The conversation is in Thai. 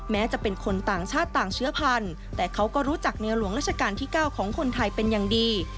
แม้จะเป็นคนต่างชาติต่างเชื้อพันธุ์แต่เขาก็รู้จักในหลวงราชการที่๙ของคนไทยเป็นอย่างดี